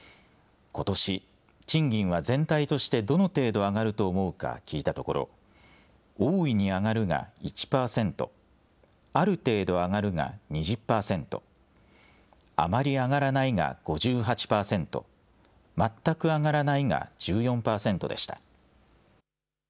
ことし、賃金は全体としてどの程度上がると思うか聞いたところ、大いに上がるが１％、ある程度上がるが２０％、あまり上がらないが５８％、全く上がらないが１４％でした。